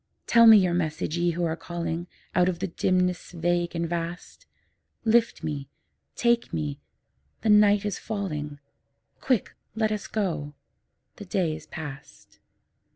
Tell me your message, Ye who are calling Out of the dimness vague and vast; Lift me, take me, the night is falling; Quick, let us go, the day is past.